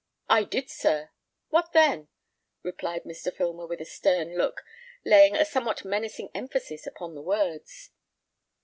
"I did, sir. What then?" replied Mr. Filmer, with a stern look, laying a somewhat menacing emphasis upon the words.